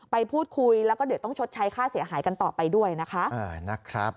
ไปพูดคุยแล้วก็เดี๋ยวต้องชดใช้ค่าเสียหายกันต่อไปด้วยนะคะ